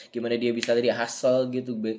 gimana dia bisa tadi hustle gitu